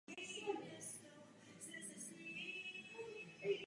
Hlavním bodem programu byla samozřejmě ratifikace Lisabonské smlouvy.